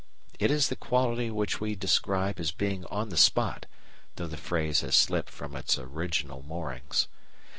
It is the quality which we describe as being on the spot, though the phrase has slipped from its original moorings.